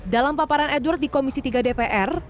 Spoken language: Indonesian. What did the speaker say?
dalam paparan edward di komisi tiga dpr